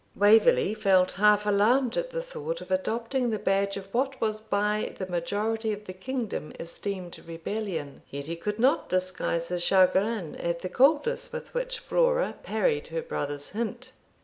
Waverley felt half alarmed at the thought of adopting the badge of what was by the majority of the kingdom esteemed rebellion, yet he could not disguise his chagrin at the coldness with which Flora parried her brother's hint.